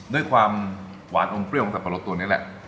ด้วยความหวานอมเปรี้ยวของสับปะรดตัวนี้แหละ